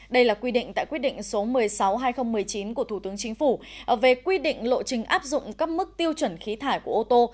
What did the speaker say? đây là quy định tại quyết định số một mươi sáu hai nghìn một mươi chín của thủ tướng chính phủ về quy định lộ trình áp dụng các mức tiêu chuẩn khí thải của ô tô